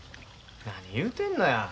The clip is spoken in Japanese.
何言うてるのや。